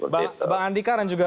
bang andika dan juga